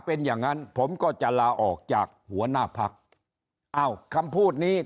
เป็นอย่างนั้นผมก็จะลาออกจากหัวหน้าพักอ้าวคำพูดนี้